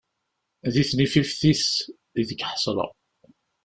Di tnifift-is ideg ḥesleɣ.